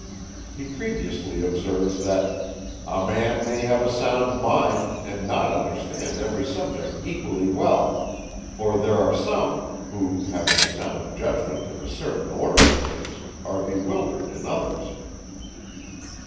He previously observes, that _a man may have a sound mind, and not understand every subject equally well; for there are some, who, having a sound judgment in a certain order of things, are bewildered in others_.